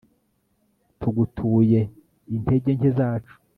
tugutuye integer nke zacu